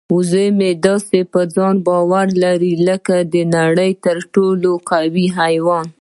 وزه مې داسې په ځان باور لري لکه د نړۍ تر ټولو قوي حیوان.